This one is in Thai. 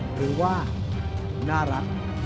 หรือว่าน่ารัก